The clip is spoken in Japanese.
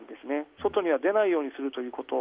外には出ないようにするということ。